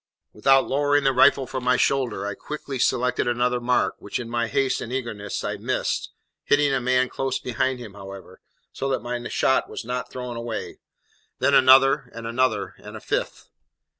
Without lowering the rifle from my shoulder, I quickly selected another mark, which, in my haste and eagerness, I missed, hitting a man close behind him however, so that my shot was not thrown away; then another, and another, and a fifth.